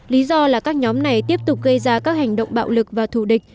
lý do là các nhóm này tiếp tục gây ra các hành động bạo lực và thù địch